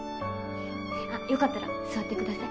あ良かったら座ってください。